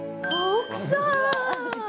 奥さん！